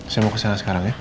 saya mau kesana sekarang ya